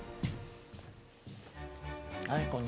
はいこんにちは。